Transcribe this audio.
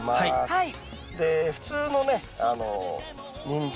はい。